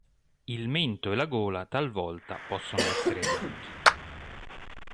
Il mento e la gola talvolta possono essere bianchi.